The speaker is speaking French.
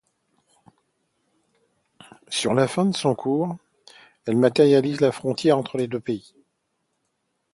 Sur la fin de son cours, elle matérialise la frontière entre les deux pays.